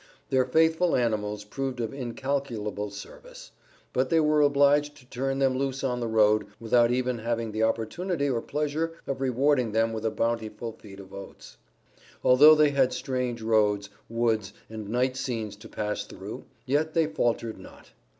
Their faithful animals proved of incalculable service, but they were obliged to turn them loose on the road without even having the opportunity or pleasure of rewarding them with a bountiful feed of oats. Although they had strange roads, woods and night scenes to pass through, yet they faltered not.